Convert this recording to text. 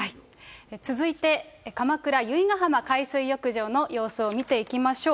続いて鎌倉・由比ガ浜海水浴場の様子を見ていきましょう。